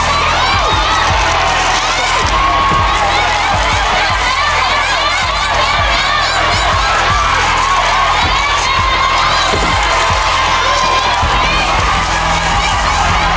เปล่าแล้วนะครับ